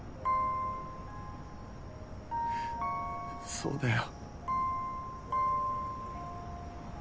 そうだよ。